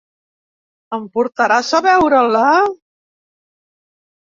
Em portaràs a veure-la?